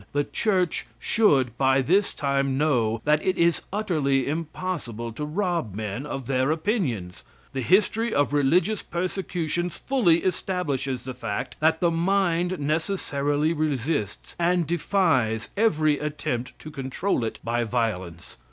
The Church should by this time know that it is utterly impossible to rob men of their opinions. The history of religious persecutions fully establishes the fact that the mind necessarily resists and defies every attempt to control it by violence.